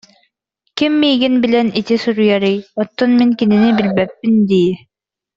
Ким миигин билэн ити суруйарый, оттон мин кинини билбэппин дии